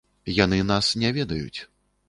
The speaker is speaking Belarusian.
Яны нас не ведаюць.